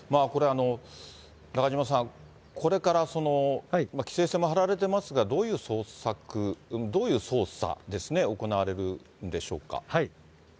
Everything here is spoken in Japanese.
中島さん、これから、規制線も張られてますが、どういう捜索、どういう捜査ですね、行われるんでしょうか。